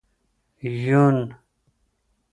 یون